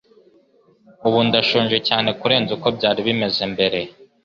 Ubu ndashonje cyane kurenza uko byari bimeze mbere.